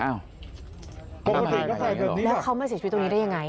ปกติแล้วเขามาเสียชีวิตตรงนี้ได้ยังไง